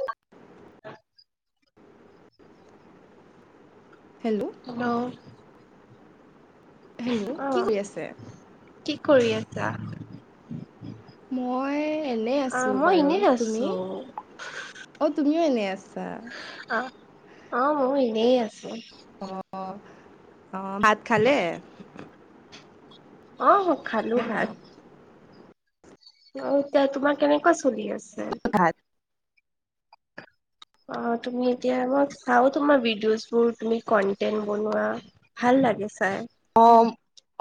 [inaudible] Hello, hello অ কি কৰি আছে কি কৰি আছা মই এনে অ আছো মই বাৰু এনেই তুমি আছো অ তুমিও এনে আছা অ অ মই এনেই আছো অ অ ভাত খালে আহ খালো ভাত অ এতিয়া তোমাৰ কেনেকুৱা চলি আছে ঘাদ অ তুমি এতিয়া আ চাও তোমাৰ ভিডিঅ'জ বোৰ তুমি কন্টেন্ট বনোৱা ভাল লাগি চাই অম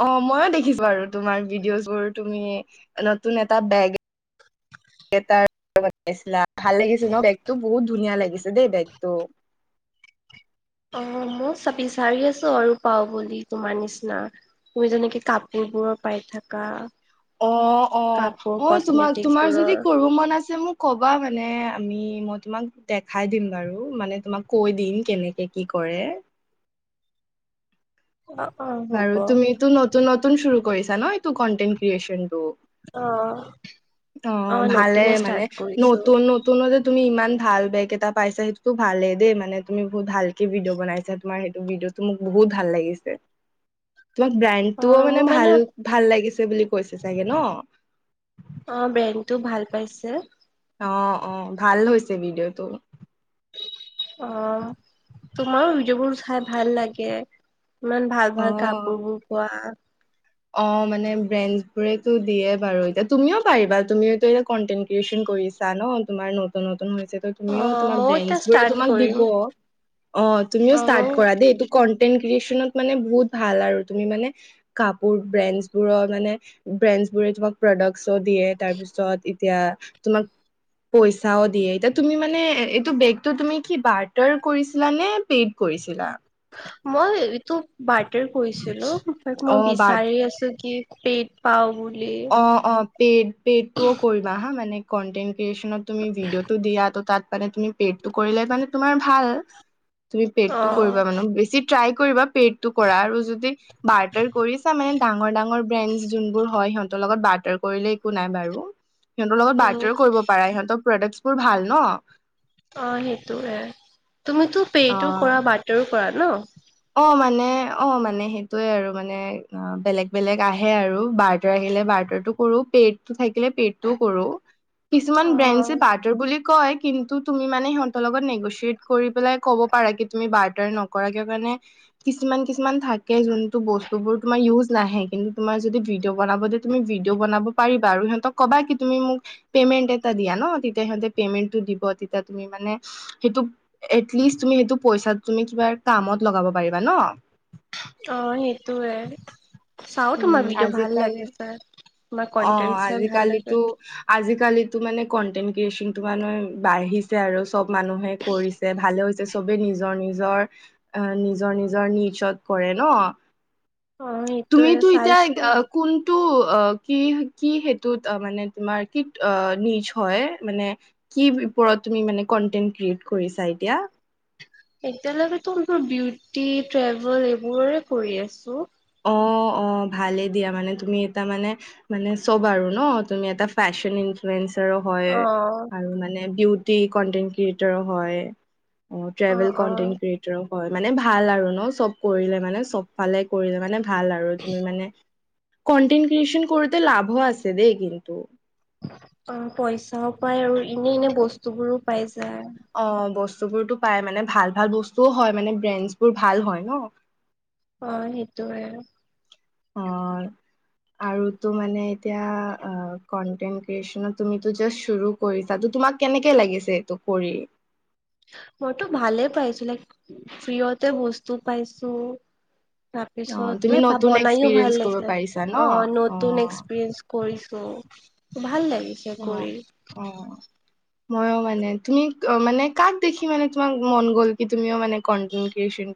অ ময়ো দেখিছো আৰু তোমাৰ ভিডিঅ' বোৰ তুমি নতুন এটা বেগ এ তাৰ ভাল লাগিছিল ন বেগতটো বহুত ধুনীয়া লাগিছে দেই বেগতটো। [unintelligible] অ মই চ বিচাৰি আছো আৰু পাও বুলি তোমাৰ নিচিনা তুমি যেনেকে কাপি কবোৰৰ পাই থকা অ-অ-অ তোমাক তোমাৰ যদি বোৰৰ কৰো মন আছে মোক কবা মানে আমি মই। তোমাক দেখাই দিম বাৰু মানে তোমাক কৈ দিম কেনেকে কি কৰে অ অ হ'ব বাৰু তুমি টো নতুন নতুন চু ৰু কৰিছা ন এইটো কন্টেন্ট ক্ৰিয়েচন টো। অ অ' ভালে নতুনে মানে ষ্টাৰ্ট কৰিছো নতুন-নতুনতে তুমি ইমান ভাল বেগ এটা পাইছা সেইটোতো ভালেই দেই মানে তুমি বহুত ভালকে ভিডিঅ' বনাইা ছা তোমাৰ সেইটো ভডিঅ' টো মোক বহুত। বহুত ভাল লাগিছে। [inaudible] তোমাক অ ব্ৰেণ্ডটোও মোৰ মানে ভাল ভাল লাগিছে বুলি কৈছে চাগে ন। ব্ৰেন্ডটো ভাল পাইছে। অ-অ ভাল হৈছে ভিডিঅ'টো অ' তোমাৰো ভিডিঅ' বোৰ চাই ভাল লাগে ইমান অ ভাল-ভাল কাপোৰবোৰ পোৱা। অ' মানে ব্ৰেন্ড বোৰেতো দিয়ে বাৰু এতিয়া তুমিও পাৰিবা তুমি এ কন্টেন ক্ৰিয়েচন কৰিছা ন তোমাৰ নতুন নতুন হৈছে ত অ তুমিও তোমাৰ মইও ব্ৰেড এতিয়া বোৰে ষ্টাৰ্ট তোমাক কৰিম দিব। অ' তুমিও ষ্টাৰ্ট কৰা দেই এই টো কন্টেট। ক্ৰনত মানে বহুত ভাল আৰু তুমি মানে কা ব্ৰেণ্ডছ বোৰৰ মানে ব্ৰেণ্ডছ বোৰে তোমাক প্ৰডাক্চ দিয়ে তাৰপিছত এতিয়া। তোমাক পইচাও দিয়ে এতিয়া তুমি মানে এইটো বেগতটো তুমি কি বাৰটাৰ কৰিছিলা নে পেড কৰি। কৰিছিলা। মই এইটো বাৰডৰ কৈছিলো অ মই বাট বিচাৰি আছো কি? পেট পা বল অ-অ পেড পেডটোও কৰিবা হা মানে কন্টেন্ট ক্ৰিয়েচনত। তুমি ভিডিঅ'টো দিয়া ত তাত মানে তুমি পেডটো কৰিলে মানে তোমাৰ ভাল। তুমি অ পেটটো কৰিবা মানে বেছি ট্ৰাই কৰিবা। পেডটো কৰা আৰু যদি বাৰটাৰ কৰিছা মানে ডাঙৰ ডাঙৰ ব্ৰেন্ড যোন বোৰ হয়। সিহতৰ লগত বাৰ্তাৰ কৰিলে একো নাই বাৰু সিহঁতৰ লগত উম বাৰ্তাৰো কৰিব পাৰে সিহঁতক। প্ৰডাকচনো ভাল ন অ', অ' সেইটোয়ে তুমিতো পেইটো অ কৰা বাটাৰো কৰা ন। অ' মানে অ মানে সেইটোয়ে আৰু মানে অ বেলেগ বেলেগ আহে আৰু বাৰ্তা আহিলে। বাৰ্তা টো কৰো পেডটো থাকিলে পেডটো কৰো অ কিছুমান বেন্ড চে বাৰ্তা বুলি। কয় কিন্তু তুমি মানে সিহঁতৰ লগত নেগচিয়েট কৰি পেলাই ক'ব পাৰা কি তুমি বাৰ্তাৰ নকৰাকে মানে। কিছুমান কিছুমান থাকে যোনটো বস্তু বোৰ তুমাৰ ইউজ নাহে কিন্তু তুমাৰ যদি ভিডিঅ' বনাব। তুমি ভিডি' বনাব পাৰিবা আৰু সিহতক কবা তুমি মোক পেমেন্ট এটা দিয়া ন তেতিয়া সিহতে পেমেন্ট টো। দিব তেতিয়া তুমি মানে সেইটো এ এটলিষ্ট তুমি হেটো পইচা টো তুমি কিবা কামত। লগাব পাৰিবা ন। অ' সেইটোয়ে চাও তোমাৰ উম ভিডিঅ' ভাল আজিকালি লাগে ছায়। অ' আজিকালিতো আজিকালিতো মানে। কন্টেন ক্ৰিয য়েচন তুমাৰ বাহিছে আৰু চব মানুহে কৰিছে ভালো হয়ছে। চবে নিজৰ নিজৰ আহ নিজৰ নিজৰ নিচত কৰে ন। অ সেইটোয়ে তুমিতো এতিয়া এ চাইছো কোনটো। কি-কি সেইটোত মানে তোমাৰ কি অ নিজ হয় মানে কি ওপৰত। তুমি মানে কনটেন্ট ক্ৰিয়েট কৰিছা এতিয়া। এতিয়া লেতো মোৰ বিউটি ট্ৰেভেল এইবোৰে কৰি আছো। অ', [inaudible] অ' ভালে দিয়া মানে তুমি এ মানে মানে চব আৰু ন তুমি এটা ফেশন। হয় অ'। আৰু মানে বিউটি কন্টেট ক্ৰিয়েটাৰো হয়। অ ট্ৰেভেল কনটেন্ট ক্ৰিয়েটৰ হয় মানে ভাল আৰু ন চব কৰিলে মানে চব ফালে। কৰিলে মানে ভাল আৰু তুমি মানে কনটেন্টে ক্ৰিয়চন কৰতে লাভ আছে দেই কিন্তু অ' পইচাও পাই আৰু এনে এনে বস্তু বোৰো পাই যায়। অ' বস্তুবোৰতো পাই মানে ভাল ভাল বস্তুও হয় মানে ব্ৰেণ্ডছ বোৰ ভাল হয় ন। অ' সেইটোয়ে আৰু অ', [inaudible] আৰু তো মানে এতিয়া কনটেন্ট ক্ৰিয়েচনত তো জাষ্ট চুৰু কৰিছা তোমাক। কেনেকে লাগিছে এইটো কৰি। ভালে পাইছো লাইক ফ্ৰিয়তে বস্তু পাইছো। অ তুমি তাৰপিছত নতুন বনাইো ভাল এক্সপিৰিয়েঞ্চ কৰিব লাগিছে পাৰিছা ন অ নতুন এক্সপিৰিয়েঞ্চ কৰিছো। ভাল লাগে। অ-অ, মইও মানে তুমি মানে কাক দেখি মানে তোমাক মন গ'ল কি তুমিও মানে কন।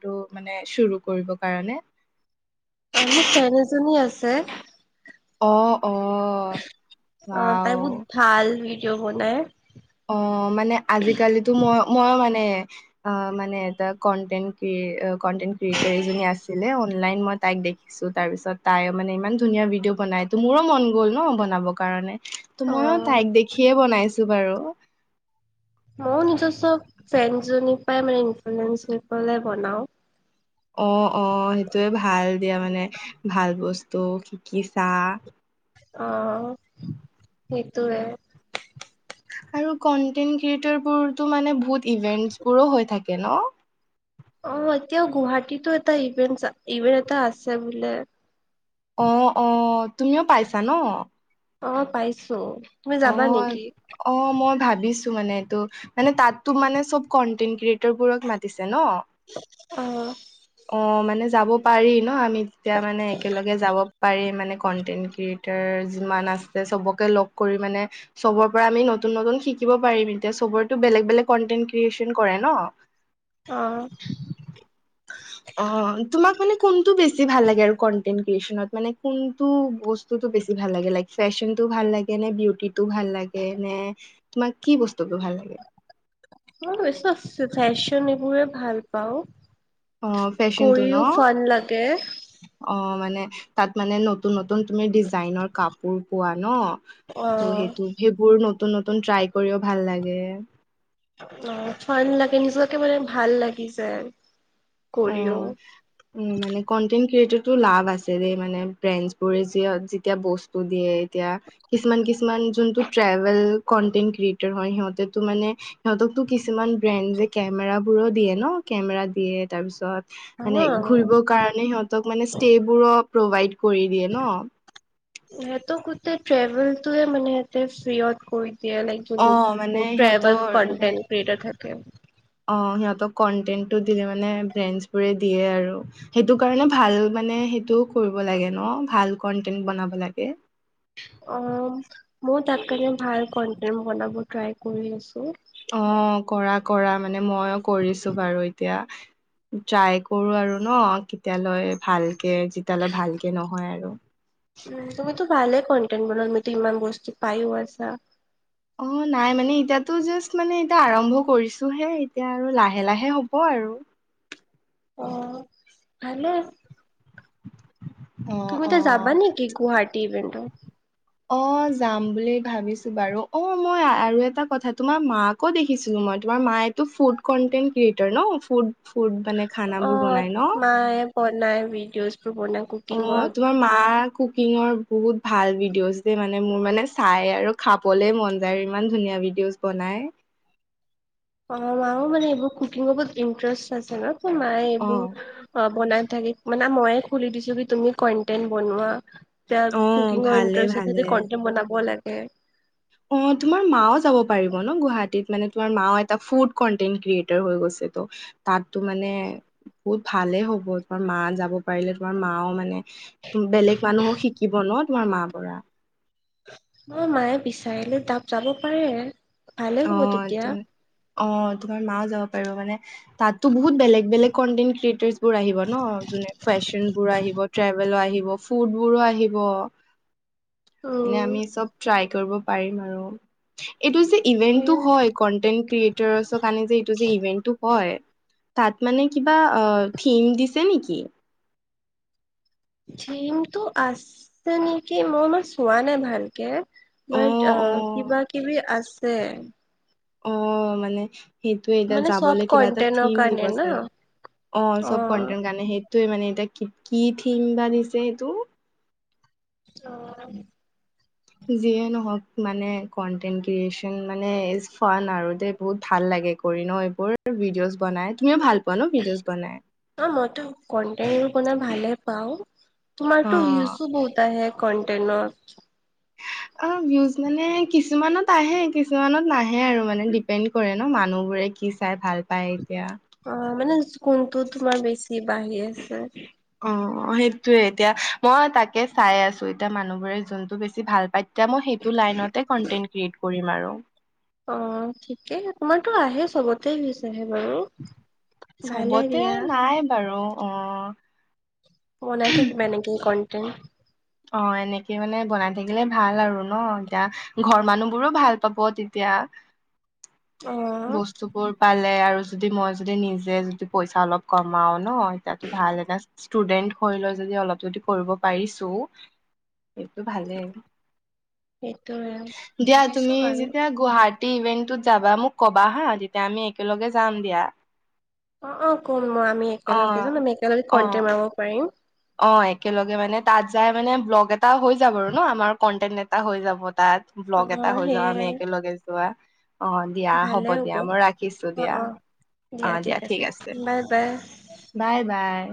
টো মানে চুৰু কৰিবৰ কাৰণে। অ' মোৰ ফেন এজনী আছে। অ', অ অ' তাই ৱাও বহুত ভাল ভিডিঅ' বনাই। অ' মানে আজিকালি তো মই-মই মানে অ' মানে কনটেন্ট ক্ৰি ক্ৰিয়েতৰ এজনি আছিলে অনলাইন মই তাইক দেখিছো তাৰপিছত তাই মানে ইমান ধুনীয়া ভিডিঅ' বনাই তো মোৰো মন গ'ল ন বনাব কাৰণে। ত মইও অ'। তাইক দেখিয়ে বনাইছো বাৰু। ম নিজস্ব ফ্ৰেণ্ জনীৰ পৰাই মানে ইনফ্লয়েঞ্চ হৈ পাই বনাওঁ। অ-অ সেইটয়ে ভাল দিয়া মানে ভাল বস্তু কি-কি চাহ? অ' সেইটোয়ে। আৰু কনটেণ্ট ক্ৰিয়েটৰবোৰতো মানে বহুত ইভেন্টছবোৰো হৈ থাকে ন। অ' এতিয়াও গুৱাহাটীতো এটা ইভেন্ট ইভেন্ট এটা আছে বোলে। অ-অ তুমিও পাইছা ন। অ' পাইছো। তুমি যাবা নেকি অ-অ মই ধাক ভাবিছো মানে এইটো মানে তাতো মানে চব কন্টেন্ট ক্ৰিয়েটৰ বোৰক মাতিছে। অ অ' মানে যাব পাৰি ন আমি যেতিয়া মানে একেলগে যাব পাৰি মানে কন্টেন্ট ক্ৰিয়েটাৰ যিমান আছে সবকে লগ। মানে চবৰ পৰা আমি নতুন নতুন শিকিব পাৰিম এতিয়া চবতো বেলেগ বেলেগ কন্টেন্ট ক্ৰিয়েচন কৰে। অ অ' তোমাক মানে কোনটো বেছি ভাল লাগে আৰু কনটেনট ক্ৰিয়েচনত মানে কোনটো বস্তুতটো বেছি ভাল লাগে লাইক ফেশ্বনতো ভাল লাগে। কেনে বিউটিটো ভাল লাগে নে তোমাক কি বস্তুটো ভাল লাগে। মই বেছি ফেশ্বন এইবোৰে ভাল পাওঁ। অ' ফেচনটো ন কৰিও ফান লাগে অ মানে। তাত মানে নতুন নতুন তুমি ডিজাইনৰ কাপোৰ পোৱা ন। অ ত' সেইটো সেইবোৰ নতুন নতুন ট্ৰাই কৰিও ভাল লাগে। অ' ফান লাগে নিজকে মানে ভাল লাগি যায়। কৰিও উম-উম মানে কনটেনট ক্ৰিয়টড লা আছে দ মানে বো যেতিয়া বস্তু দিয়ে এতিয়া কিছুমান কিছুমান। জুনতু ট্ৰেভেল কনটেন্ট ক্ৰিয়েতৰ সিহঁতৰ তো মানে সিহতৰ তোক কিছুমান ব্ৰেণ্ড। কেমেৰা বোৰো দিয়ে ন কেমেৰা দিয়ে। তাৰপিছত মানে অ ঘুৰিবৰ কাৰণে সিহতক মানে ষ্টে বোৰ প্ৰভাইড কৰি দিয়ে ন। সিহঁতে গোটেই ট্ৰেভেলটোয়ে মানে টিপছ ফিৰীয়ত অ মানে কৰি ট্ৰেভেল সিহঁতৰ কনটেণ্ ক্ৰেটাৰ থাকে। অঁ সিঁহতক কনটেণ্টো দিলে, মানে ফ্ৰেঞ্চ বোৰে দিয়ে আৰু সেইটো কাৰণে ভাল মানে। সেইটোও কৰিব লাগে ন ভাল কন্টেন্ট বনাব লাগে। অম মুইতাত কাৰণে ভাল কনটেম বনাব ট্ৰাই কৰি আছো। অ কৰা কৰা মানে মইয়ো কৰিছো বাৰু এতিয়া ট্ৰাই কৰো আৰু ন কেতিয়ালৈ ভালকে যেতিয়ালৈ ভালকে নহয় আৰু। উম তুমি তো ভালে কনটেণ্ট বনোৱা মিতো ইমান বস্তু পাইও আছা। অ নাই মানে এতিয়াতো জাষ্ট মানে এতিয়া আৰম্ভ কৰিছোহে এতিয়া আৰু লাহে লাহে হ'ব আৰু অ ভালেই। অ তুমিতো অ যাবা নেকি গুৱাহাটী ইভেণ্ট? অ যাম বুলি ভাবিছো বাৰু অ মই আৰু এটা কথা তোমাৰ মাকো দেখিছিলো মই ত। তোমাৰ মায়ো ফুড কনটেন্ট ক্ৰিয়েটৰ ন ফুড ফুড মানে খানাবোৰ বনাই ন। অ নাই ভিডিঅ'জ অ তোমাৰ মাক কুকিঙৰ বহুত ভাল ভিডিঅ'জ দে, মানে মোৰ মানে চাই আৰু খাবলে মন যায় আৰু ইমান ধুনীয়া। ভডিঅজ বনাই অ মায়ও মানে এইবোৰ কুকিঙৰ বহুত ইণ্টাৰেষ্ট আছে ন মায়ে অ এইবোৰ বনাই থাকি মানে মইয়ে খুলি দিছো কি তুমি কন্টেন্ট বনোৱা। য়া অ কুকিংৰ ভালে ইন্টাৰেষ্ট আছে যদি ভালে কণ্টেণ্ট বনাব লাগে। অ তোমাৰ মাও যাব পাৰিব ন গুৱাহাটীত। মানে তোমাৰ মা এটা ফুড কন্টেন্ট ক্ৰিয়েটাৰ হৈ গৈছে তো তাতো মানে বহুত ভালে হ'ব তোমাৰ মা যাব পাৰিলে তোমাৰ মাও মানে বেলেগ মানুহক শিকিব ন তোমাৰ মাৰ পৰা। মই মায়ে বিচাৰিলে তাত যাব পাৰে ভালে অ হব তেতিয়া। তুমি অ তোমাৰ মাও যাব পাৰো মানে তাতো বহুত বেলেগ বেলেগ কন্টেন্ট ক্ৰিয়েটাৰ্চ বোৰ আহিব ন। যুনে ফেশ্বন বোৰ আহিব ট্ৰেভেলো আহিব ফুড বোৰো আহিব। এনে উম আমি চব ট্ৰাই কৰিব পাৰিম আৰু। এইটো যে ইভেন্টটো সেইয়াই হয়, কনটেন্ট ক্ৰিয়েটাৰৰ কাৰণে যে এইটো যে ইভেন্টটো হয়। তাত মানে কিবা থিম দিছে নেকি। থিমটো আছে নেকি মই ইমান চোৱা নাই ভালকে। বাট অ কিবা কিবি আছে। অ মানে সেইটোয়ে এতিয়া মানে চব যাবলৈ কিবা এটা কন্টেনৰ থিম দিব কাৰণে না চাগে অ চব কন্টেন্ট গানে সেই তে মানে এতিয়া কি কি থিম বা দিছে এইটো। অ। যিয়ে নহক মানে কন্টেন ক্ৰিয়েচন মানে ইছ ফন আৰু দে বহুত ভাল লাগে। সেই কৰি ন এইবোৰ ভিডিঅ' বনাই তুমিও ভাল পোৱা ন ভিডিঅ'জ বনাই। কনটেন বনাই ভালে পাও, তোমাৰটো অ' ভিউছো বহুত আহে কণ্টেনত। অ ভিউজ মানে কিছুমানত আহে, কিছুমানত নাহে আৰু মানে ডিপেণ্ড কৰে। ন মানুহ বোৰে কি চাই ভাল পায়। এতিয়া অ মানে কোনটো তোমাৰ বেছি বাঢ়ি আছে? অ সেইটোয়ে এতিয়া মই তাকে চাই আছো এতিয়া মানুহ বোৰে যোনটো বেছি ভাল পাই তেতিয়া মই সেই এইটো লাইনতে কণ্টেণ্ট ক্ৰিয়েট কৰিম আৰু। অ ঠিকেই তোমাৰতো আহে চবতে বিচ আহে। বাৰু। ভালে চবতে দিয়া নাই বাৰু, অহ বনাই থাকিম এনেকেই কনটেন। অ, এনেকে মানে বনাই থাকিলে ভাল আৰু ন। এতিয়া ঘৰ মানুহ বোৰো ভাল পাব তেতি- য়া। [inaudible] অ' বস্তুবোৰ পাল- লে আৰু যদি মই যদি নিজে যদি পইচা অলপ কমাও ন, এতিয়া ভাল এটা ষ্টুডেণ্ট হ- হৈ লৈ যদি অলপ যদি পঢ়িব পাৰিছো [inaudible] এইটো ভালেই। সেইটোৱে। দিয়া বুজিছো তুমি বাৰু যেতিয়া গুৱাহা- টী ইভেন্টটোত যাবা মোক কবা হা। তেতিয়া আমি একেলগে যাম দিয়া। অ, অ ক'ম মই আমি অ একেলগে যাম। আমি একেলগে অ কণ্টেণ বনাব পাৰিম। অ, একেলগে মানে তাত যাই মানে ব্লগ এটা হৈ যাব আৰু ন'? আমাৰ কন্টেন এটা হৈ যাব। তাত, ব্লগ এটা অ' হৈ যাব। আমি সেয়াই একেলগে যোৱা। অ দিয়া, হ'ব দিয়া, মই ৰাখিছো অ' দিয়া। অ' আঁ, দিয়া ঠিক আছে। বাই, বাই।